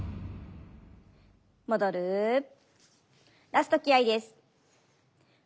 ラスト気合いです。